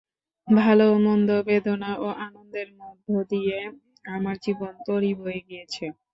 ভাল ও মন্দ, বেদনা ও আনন্দের মধ্য দিয়ে আমার জীবন-তরী বয়ে গিয়েছে।